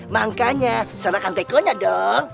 makanya serahkan tekonya dong